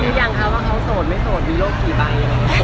เช็คดูยังคะว่าเขาโสดไม่โสดวิโรกกี่ใบเลย